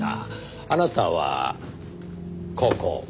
あなたはここ。